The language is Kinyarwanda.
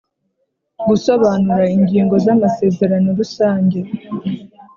gusobanura ingingo z amasezerano rusange